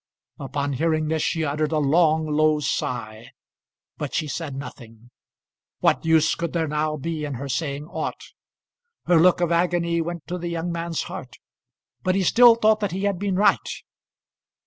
Upon hearing this she uttered a long, low sigh, but she said nothing. What use could there now be in her saying aught? Her look of agony went to the young man's heart, but he still thought that he had been right.